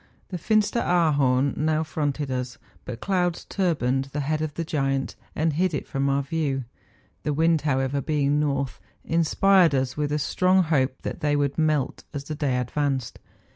The Finsteraar horn now fronted us; but clouds turbaned the head of the giant, and hid it from our view. The wind, however, being north, inspired us with a strong hope that they would melt as the day advanced.